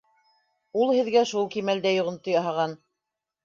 Ул һеҙгә шул кимәлдә йоғонто яһаған...